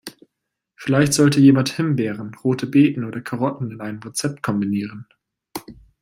Vielleicht sollte jemand Himbeeren, Rote Beete oder Karotten in einem Rezept kombinieren.